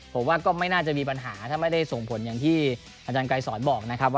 ผมว่าก็ไม่น่าจะมีปัญหาพอไม่ได้ที่ท่านกายสอนบอกนะครับ